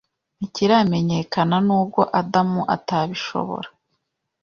ntikiramenyekana Nubwo Adamu atabishobora